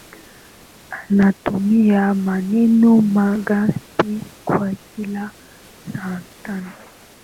Anatumia maneno mangapi kwa kila sentensi